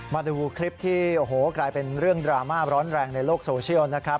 มาดูคลิปที่โอ้โหกลายเป็นเรื่องดราม่าร้อนแรงในโลกโซเชียลนะครับ